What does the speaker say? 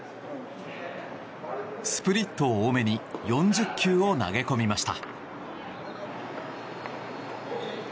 スプリットを多めに４０球を投げ込みました。